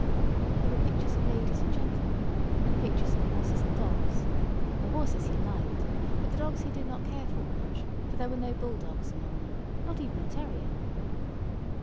There were pictures of ladies and gentlemen, and pictures of horses and dogs. The horses he liked; but the dogs he did not care for much, for there were no bull dogs among them, not even a terrier.